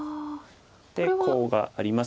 でコウがあります。